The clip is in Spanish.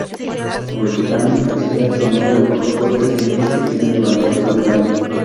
Hurricane recibe su nombre por los fuertes vientos que tiene durante todo el año.